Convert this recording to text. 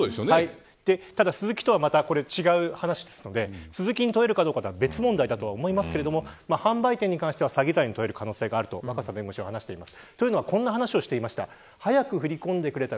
ただスズキとはまた違う話ですのでスズキに問えるかどうかは別問題だと思いますが販売店に関しては詐欺罪に問える可能性があると若狭弁護士は話しています。